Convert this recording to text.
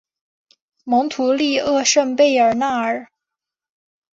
蒙图利厄圣贝尔纳尔。